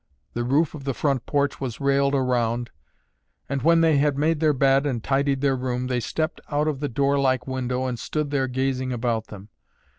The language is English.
The roof of the front porch was railed around and when they had made their bed and tidied their room they stepped out of the door like window and stood there gazing about them.